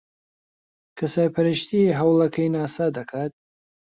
کە سەرپەرشتیی ھەوڵەکەی ناسا دەکات